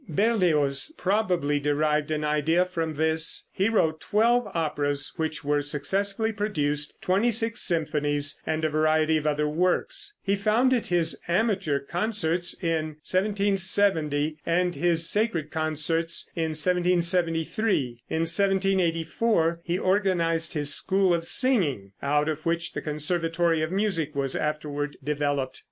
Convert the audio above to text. Berlioz probably derived an idea from this. He wrote twelve operas which were successfully produced, twenty six symphonies and a variety of other works. He founded his amateur concerts in 1770, and his sacred concerts in 1773. In 1784 he organized his school of singing, out of which the Conservatory of Music was afterward developed.